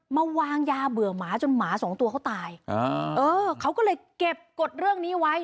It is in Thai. มาวางยาเบื่อหมาจนหมาสองตัวเขาตายอ่าเออเขาก็เลยเก็บกฎเรื่องนี้ไว้